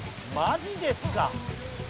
マジですか！